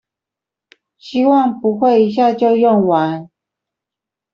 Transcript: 希望不會一下就用完